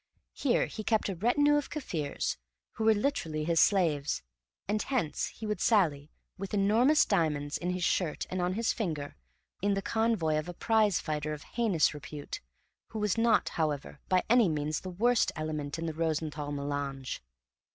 Here he kept a retinue of Kaffirs, who were literally his slaves; and hence he would sally, with enormous diamonds in his shirt and on his finger, in the convoy of a prize fighter of heinous repute, who was not, however, by any means the worst element in the Rosenthall mélange.